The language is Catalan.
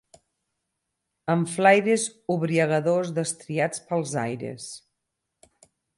...en flaires ubriagadors destriats pels aires